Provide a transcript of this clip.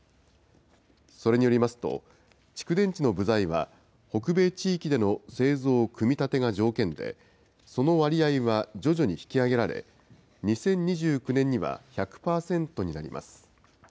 それによりますと、蓄電池の部材は、北米地域での製造・組み立てが条件で、その割合は徐々に引き上げられ、２０２９年には１００％になります。